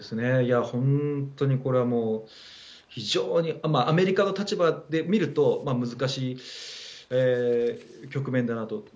本当にこれは非常にアメリカの立場で見ると難しい局面だなと。